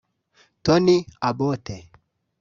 Tony Abbott